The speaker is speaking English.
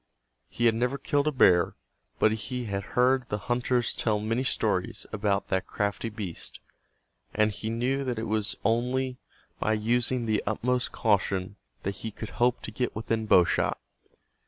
He had never killed a bear but he had heard the hunters tell many stories about that crafty beast, and he knew that it was only by using the utmost caution that he could hope to get within bow shot.